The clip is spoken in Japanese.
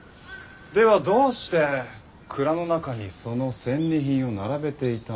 ではどうして蔵の中にその戦利品を並べていたのか。